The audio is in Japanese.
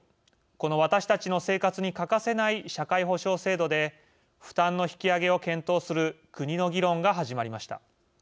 この私たちの生活に欠かせない社会保障制度で負担の引き上げを検討する国の議論が始まりました。